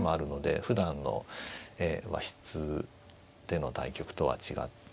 ふだんの和室での対局とは違って。